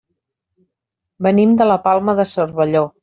Venim de la Palma de Cervelló.